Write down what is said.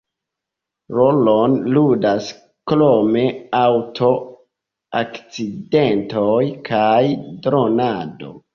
Rolon ludas krome aŭto-akcidentoj kaj dronado.